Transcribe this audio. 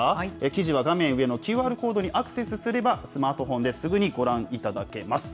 記事は画面上のＱＲコードにアクセスすれば、スマートフォンですぐにご覧いただけます。